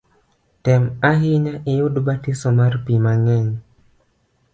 Tem ahinya iyud batiso mar pi mang’eny